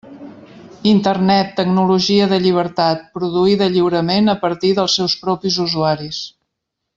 Internet, tecnologia de llibertat, produïda lliurement a partir dels seus propis usuaris.